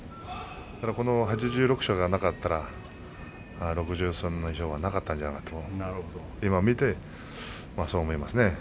この８６勝がなかったら６３連勝なかったんじゃないかと今見てそう思いますね。